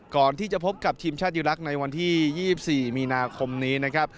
ก่อนที่จะพบกับทีมชาติอีรักษ์ในวันที่๒๔มีนาคมนี้นะครับ